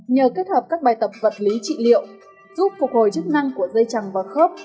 nhờ kết hợp các bài tập vật lý trị liệu giúp phục hồi chức năng của dây chằng và khớp